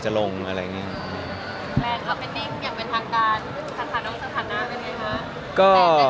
ลงมาลงได้หรือเปล่าคุณเขียวผมได้รูปก่อนลงได้หรือเปล่า